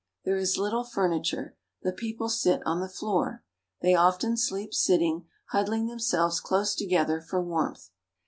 There is little furniture. The people sit on the floor. They often sleep sitting, huddling themselves close together for warmth.